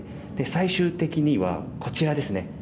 最終的にはこちらですね。